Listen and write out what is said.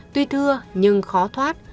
tuy thưa nhưng khó thoát